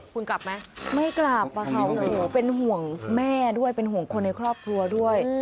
คุณกลับมั้ยไม่กลับเป็นห่วงแม่ด้วยเป็นห่วงคนในครอบครัวด้วย